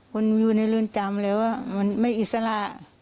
คนอยู่ในรุนจำแล้วอ่ะมันไม่อิสระ